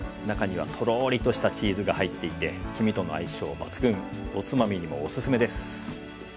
中にはとろりとしたチーズが入っていて黄身との相性抜群おつまみにもおすすめです。